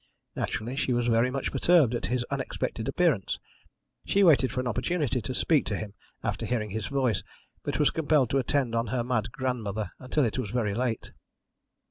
Naturally, she was very much perturbed at his unexpected appearance. She waited for an opportunity to speak to him after hearing his voice, but was compelled to attend on her mad grandmother until it was very late.